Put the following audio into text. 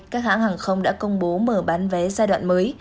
các hãng hàng không đã công bố mở bán vé giai đoạn mới